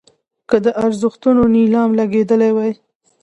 که د ارزښتونو نیلام لګېدلی وي.